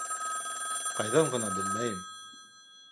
Ҡайҙан ғына беләйем?